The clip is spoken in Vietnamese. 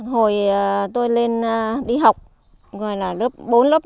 hồi tôi lên đi học